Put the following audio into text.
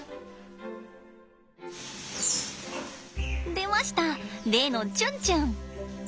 出ました例のちゅんちゅん。